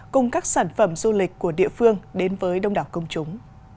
cùng các sản phẩm du lịch của địa phương đến với đông đảo công chúng